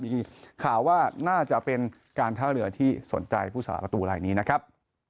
มีข่าวว่าน่าจะเป็นการท่าเรือที่สนใจผู้สาประตูลายนี้นะครับ